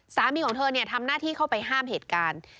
สามีของเธอทำหน้าที่เข้าไปห้ามเหตุการณ์